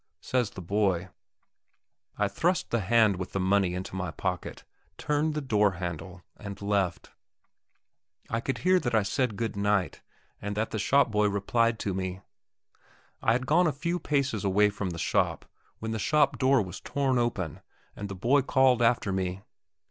says the boy. I thrust the hand with the money into my pocket, turned the door handle, and left. I could hear that I said good night, and that the shop boy replied to me. I had gone a few paces away from the shop when the shop door was torn open, and the boy called after me.